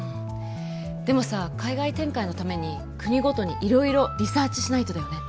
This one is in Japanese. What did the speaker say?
でもさ海外展開のために国ごとに色々リサーチしないとだよね